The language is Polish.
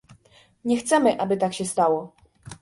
Nie chcemy, aby tak się stało